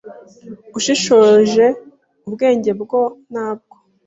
Ushishoje ubwenge bwo ntabwo